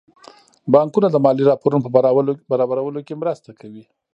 بانکونه د مالي راپورونو په برابرولو کې مرسته کوي.